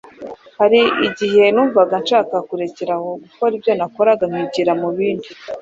hari igihe numvaga nshaka kurekeraho gukora ibyo nakoraga nkigira mu bindi.